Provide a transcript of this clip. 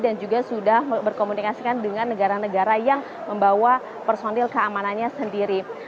dan juga sudah berkomunikasikan dengan negara negara yang membawa personil keamanannya sendiri